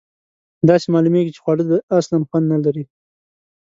داسې معلومیږي چې خواړه اصلآ خوند نه لري.